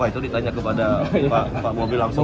wah itu ditanya kepada pak bopi langsung